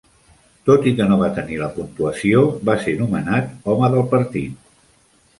Tot i que no va tenir la puntuació, va ser nomenat home del partit.